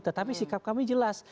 tetapi sikap kami jelas